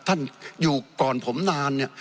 ท่านอยู่ก่อนผมนานเนี่ย